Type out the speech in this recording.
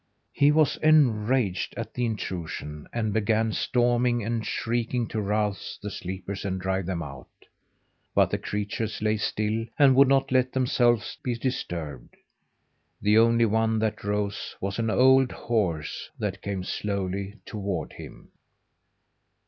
He was enraged at the intrusion and began storming and shrieking to rouse the sleepers and drive them out. But the creatures lay still and would not let themselves be disturbed. The only one that rose was an old horse that came slowly toward him.